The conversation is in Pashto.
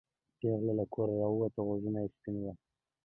پېغله له کوره راووته غوږونه سپین وو.